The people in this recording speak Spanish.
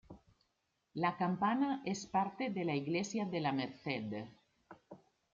La campana es parte de la Iglesia de la Merced.